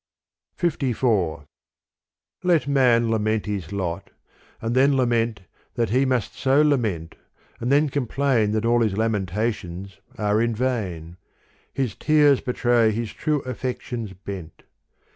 LIV LET man lament his lot and then lament That he must so lament and then complain That all his lamentations are in vain : His tears betray his true affections bent.